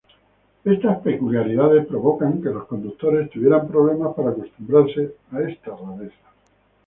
Estas peculiaridades provocaban que los conductores tuvieran problemas para acostumbrarse a esta extraña disposición.